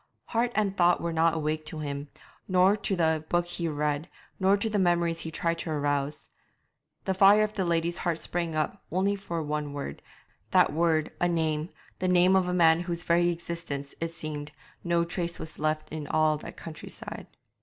Heart and thought were not awake to him, nor to the book he read, nor to the memories he tried to arouse. The fire of the lady's heart sprang up only for one word, that word a name, the name of a man of whose very existence, it seemed, no trace was left in all that country side.